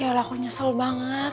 yaudah aku nyesel banget